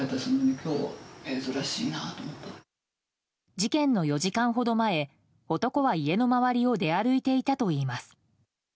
事件の４時間ほど前男は家の周りを出歩いていたといいます。